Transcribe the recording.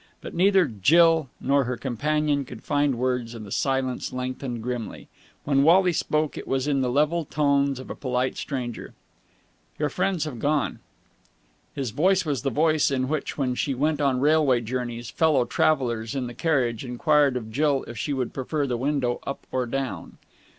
But neither Jill nor her companion could find words, and the silence lengthened grimly. When Wally spoke, it was in the level tones of a polite stranger. "Your friends have gone." His voice was the voice in which, when she went on railway journeys, fellow travellers in the carriage enquired of Jill if she would prefer the window up or down.